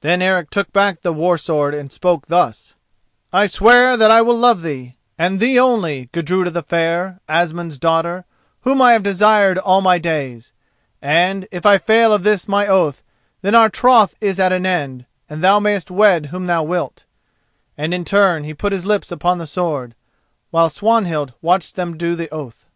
Then Eric took back the war sword and spoke thus: "I swear that I will love thee, and thee only, Gudruda the Fair, Asmund's daughter, whom I have desired all my days; and, if I fail of this my oath, then our troth is at an end, and thou mayst wed whom thou wilt," and in turn he put his lips upon the sword, while Swanhild watched them do the oath.